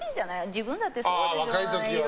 自分だってそうでしょ？